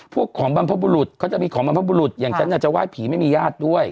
ของบรรพบุรุษเขาจะมีของบรรพบุรุษอย่างฉันจะไหว้ผีไม่มีญาติด้วย